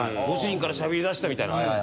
ご主人からしゃべりだしたみたいな。